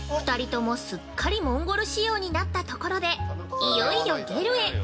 ２人とも、すっかりモンゴル仕様になったところで、いよいよゲルへ！